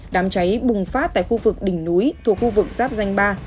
đám cháy bùng phát tại khu vực đỉnh núi thuộc khu vực giáp danh ba